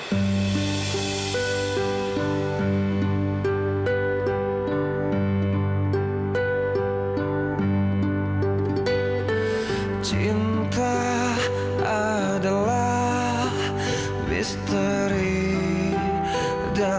masih percaya sama evita